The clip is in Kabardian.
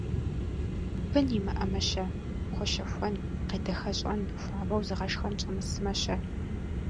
Бын имыӀэмэ-щэ? Хуэщэхуэн, къедэхэщӀэн, хуабэу зыгъэшхэн щӀэмысмэ-щэ?